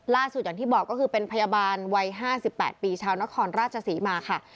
อย่างที่บอกก็คือเป็นพยาบาลวัย๕๘ปีชาวนครราชศรีมาค่ะ